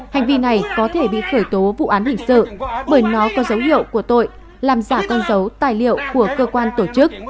hành vi này có thể bị khởi tố vụ án hình sự bởi nó có dấu hiệu của tội làm giả con dấu tài liệu của cơ quan tổ chức